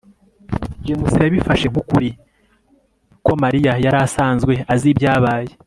james yabifashe nk'ukuri ko mariya yari asanzwe azi ibyabaye